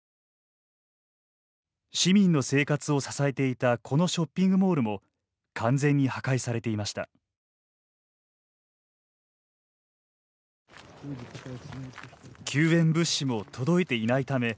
市民の生活を支えていたこのショッピングモールも完全に破壊されていました。